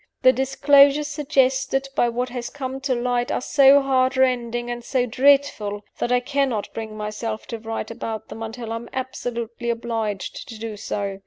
The disclosures suggested by what has come to light are so heartrending and so dreadful that I cannot bring myself to write about them until I am absolutely obliged to do so.